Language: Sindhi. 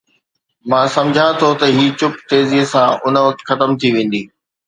مان سمجهان ٿو ته هي چپ تيزيءَ سان ان وقت ختم ٿي ويندي.